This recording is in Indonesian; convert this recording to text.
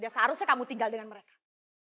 seharusnya kamu tinggal dengan mereka